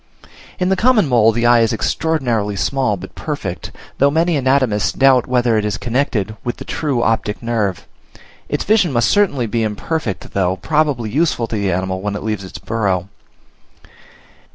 In the common mole the eye is extraordinarily small but perfect, though many anatomists doubt whether it is connected with the true optic nerve; its vision must certainly be imperfect, though probably useful to the animal when it leaves its burrow.